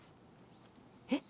えっ？